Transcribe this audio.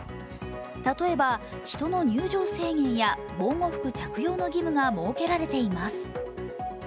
例えば人の入場制限や防護服着用の義務が設けられています。